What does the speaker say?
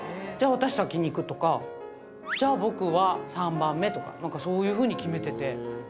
じゃあ、私、先にいくとか、じゃあ、僕は３番目とか、なんかそういうふうに決めてて。